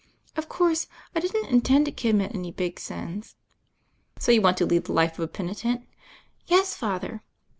Of course, I didn't intend to conunit any big sms." "So you want to lead the life of a penitent?" "Yes, Father."